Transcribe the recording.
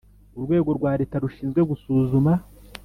Urwego rwa leta rushinzwe gusuzuma